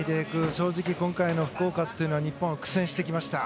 正直、今回の福岡というのは日本は苦戦してきました。